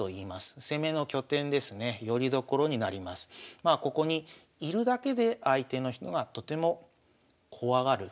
まあここに居るだけで相手の人がとても怖がる。